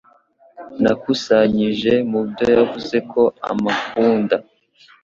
Nakusanyije mubyo yavuze ko amukunda.